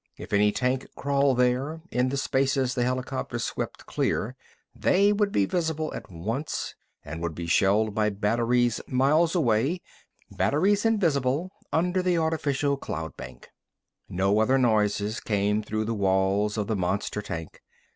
If any tanks crawled there, in the spaces the helicopters swept clear, they would be visible at once and would be shelled by batteries miles away, batteries invisible under the artificial cloud bank. No other noises came through the walls of the monster tank.